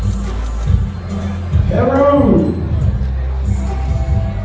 สโลแมคริปราบาล